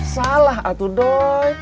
salah atu doi